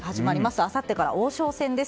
あさってから王将戦です。